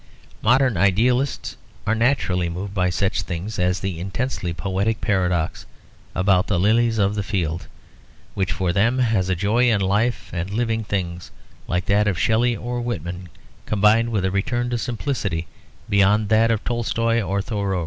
Modern idealists are naturally moved by such things as the intensely poetic paradox about the lilies of the field; which for them has a joy in life and living things like that of Shelley or Whitman, combined with a return to simplicity beyond that of Tolstoy or Thoreau.